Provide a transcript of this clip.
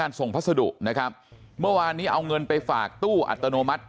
ส่งพัสดุนะครับเมื่อวานนี้เอาเงินไปฝากตู้อัตโนมัติ